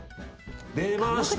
出ました